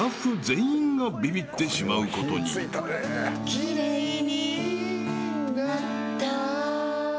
「きれいになった」